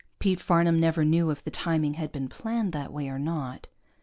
Pete Farnam never knew if the timing had been planned that way or not.